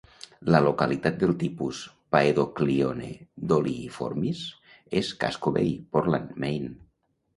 La localitat del tipus "Paedoclione doliiformis" és Casco Bay, Portland, Maine.